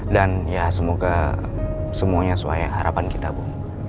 dan ya semoga semuanya sesuai harapan kita bu